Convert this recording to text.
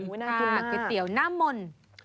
ก๋วยเตี๋ยวน่ามนต์